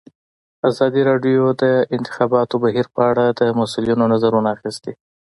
ازادي راډیو د د انتخاباتو بهیر په اړه د مسؤلینو نظرونه اخیستي.